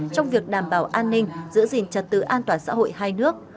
trong việc đảm bảo an ninh giữ gìn trật tự an toàn xã hội hai nước